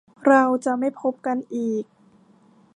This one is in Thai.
เราจะไม่พบกันอีก